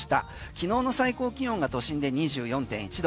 昨日の最高気温が都心で２４．１度。